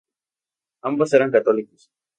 Ambos eran católicos.